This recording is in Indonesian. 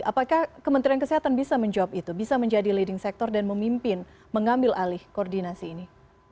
apakah kementerian kesehatan bisa menjawab itu bisa menjadi leading sector dan memimpin mengambil alih koordinasi ini